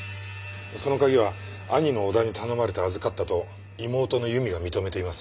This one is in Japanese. その鍵は兄の小田に頼まれて預かったと妹の由美が認めています。